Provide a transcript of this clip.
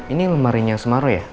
ini lemarinya semarno ya